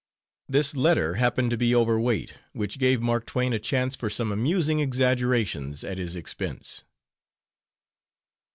This letter happened to be over weight, which gave Mark Twain a chance for some amusing exaggerations at his expense.